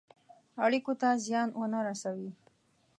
اړېکو ته زیان ونه رسوي.